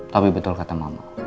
tapi betul kata mama